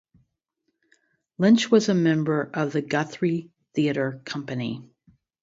Lynch was a member of the Guthrie Theater company.